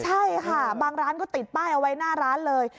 ใช่ค่ะบางร้านก็ติดป้ายเอาไว้หน้าร้านเลย